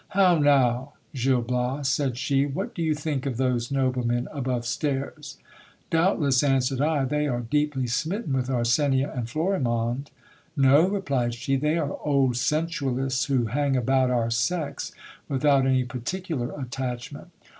How now ! Gil Bias, said she, what do you think of those noblemen above stairs ? Doubtless, answered I, they are deeply smitten with Arsenia and Florimonde. No, replied she, they are old sensualists, who hang about our sex without any particular attachment.